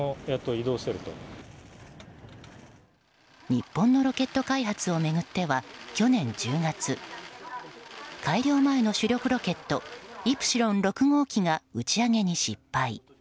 日本のロケット開発を巡っては去年１０月改良前の主力ロケット「イプシロン６号機」が打ち上げに失敗。